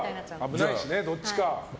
危ないしね、どっちか。